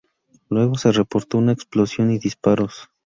Luego se reportó una explosión y disparos.